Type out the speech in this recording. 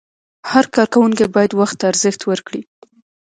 هر کارکوونکی باید وخت ته ارزښت ورکړي.